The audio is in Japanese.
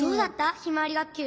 ひまわりがっきゅう。